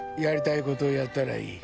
やりたいことやったらいい。